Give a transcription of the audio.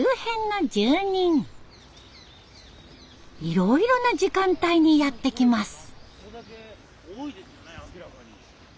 いろいろな時間帯にやって来ます。